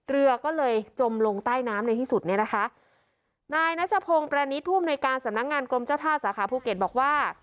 เรือก็เลยจมลงใต้น้ำในที่สุดเนี่ยนะคะนายนัชพงศ์ประนิษฐ์ผู้อำนวยการสำนักงานกรมเจ้าท่าสาขาภูเก็ตบอกว่า